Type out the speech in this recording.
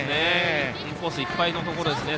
インコースいっぱいのところですね。